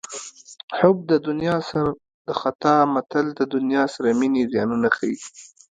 حب د دنیا سر د خطا متل د دنیا سره مینې زیانونه ښيي